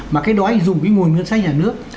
mà cái đó dùng cái nguồn ngân sách nhà nước